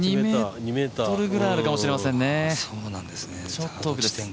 ２ｍぐらいあるかもしれませんね。